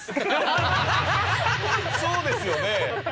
そうですよね。